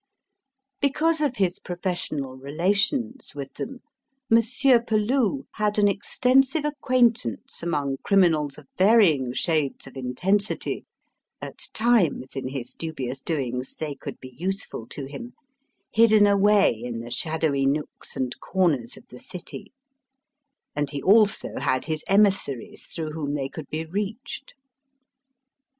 Because of his professional relations with them, Monsieur Peloux had an extensive acquaintance among criminals of varying shades of intensity at times, in his dubious doings, they could be useful to him hidden away in the shadowy nooks and corners of the city; and he also had his emissaries through whom they could be reached.